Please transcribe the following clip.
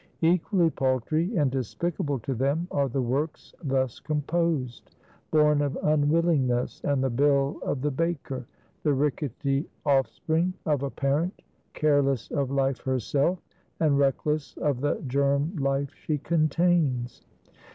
Equally paltry and despicable to them, are the works thus composed; born of unwillingness and the bill of the baker; the rickety offspring of a parent, careless of life herself, and reckless of the germ life she contains.